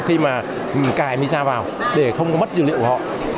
khi mà cài misa vào để không mất dữ liệu của họ